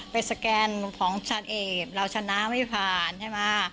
สแกนของชาญเอกเราชนะไม่ผ่านใช่ไหม